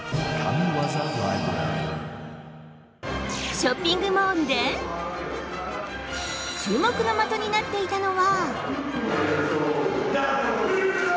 ショッピングモールで注目の的になっていたのは。